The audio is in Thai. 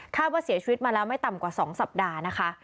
ว่าเสียชีวิตมาแล้วไม่ต่ำกว่า๒สัปดาห์นะคะ